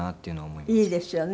いいですよね